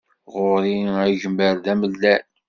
Ɣur-i agmer d amellal.